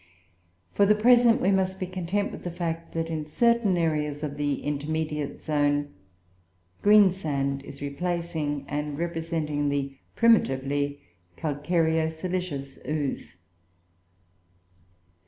For the present we must be content with the fact that, in certain areas of the "intermediate zone," greensand is replacing and representing the primitively calcareo silicious ooze.